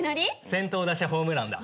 先頭打者ホームランだ。